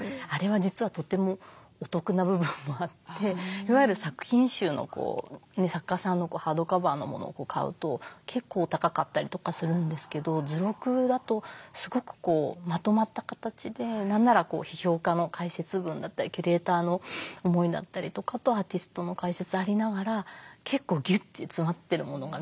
いわゆる作品集の作家さんのハードカバーのものを買うと結構高かったりとかするんですけど図録だとすごくまとまった形で何なら批評家の解説文だったりキュレーターの思いだったりとかあとアーティストの解説ありながら結構ギュッて詰まってるものが見られるので。